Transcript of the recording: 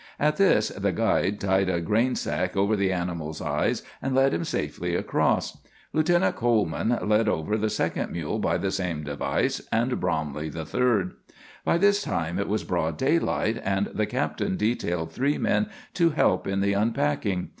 At this the guide tied a grain sack over the animal's eyes and led him safely across. Lieutenant Coleman led over the second mule by the same device, and Bromley the third. By this time it was broad daylight, and the captain detailed three men to help in the unpacking.